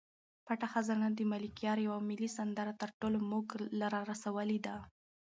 پټه خزانه د ملکیار یوه ملي سندره تر موږ را رسولې ده.